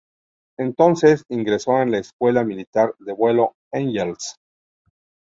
Entonces, ingresó en la Escuela Militar de Vuelo Engels.